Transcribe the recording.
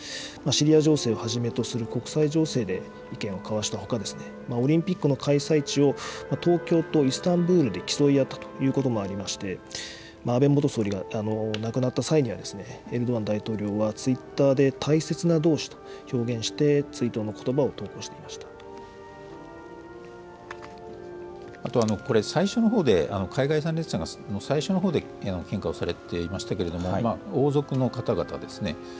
シリア情勢をはじめとする国際情勢で意見を交わしたほか、オリンピックの開催地を東京とイスタンブールで競い合ったということもありまして、安倍元総理が亡くなった際には、エルドアン大統領はツイッターで大切な同志と表現して、追悼のこあと、これ最初のほうで海外参列者が最初のほうで献花をされていましたけれども、王族の方々ですね。